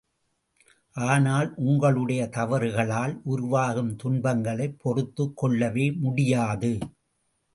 ஆனால், உங்களுடைய தவறுகளால் உருவாகும் துன்பங்களைப் பொறுத்துக் கொள்ளவே முடியாது.